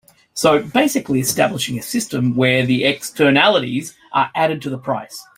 So basically establishing a system where the externalities are added to the price.